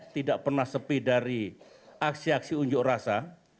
tidak pernah sepi dari aksi aksi unjuk rasa